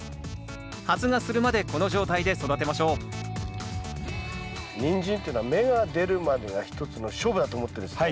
発芽するまでこの状態で育てましょうニンジンっていうのは芽が出るまでが一つの勝負だと思ってですね